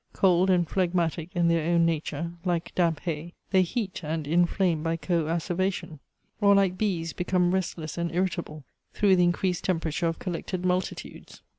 Cold and phlegmatic in their own nature, like damp hay, they heat and inflame by co acervation; or like bees they become restless and irritable through the increased temperature of collected multitudes.